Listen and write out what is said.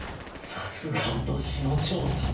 さすが落としの長さん！